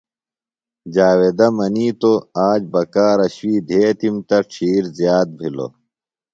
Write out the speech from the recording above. جاویدہ منیتو آج بکارہ شُوئی دھیتِم تہ ڇھیر زیات بِھلوۡ۔